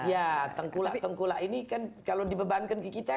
ya tengkulak tengkulak ini kan kalau dibebankan ke kita